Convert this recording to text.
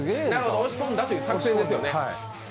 押し込んだという作戦ですよね。